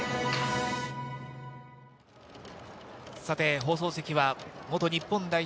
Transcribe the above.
放送席は元日本代表